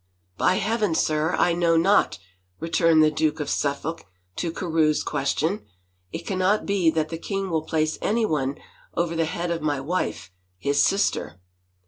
" By Heaven, sir, I know not !" returned the Duke of Suffolk to Carewe's question. " It cannot be that the king will place anyone over the head of my wife, his sister